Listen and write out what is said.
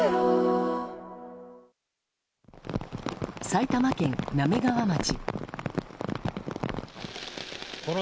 埼玉県滑川町。